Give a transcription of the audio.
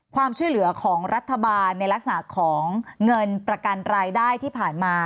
ความช่วยเหลือของรัฐบาลในลักษณะของเงินประกันรายได้ที่ผ่านมา